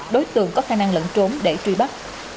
đối tượng có khả năng lẫn trốn để truy bắt